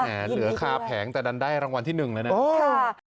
เหลือค่าแผงแต่ดันได้รางวัลที่๑แล้วนะ